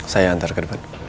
saya antar ke depan